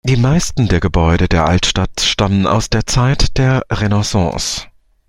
Die meisten der Gebäude der Altstadt stammen aus der Zeit der Renaissance.